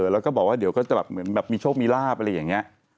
แล้วก็บอกว่าเดี๋ยวก็จะแบบเหมือนแบบมีโชคมีลาบอะไรอย่างนี้